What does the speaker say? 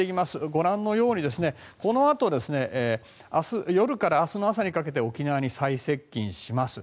ご覧のようにこのあと夜から明日の朝にかけて沖縄に最接近します。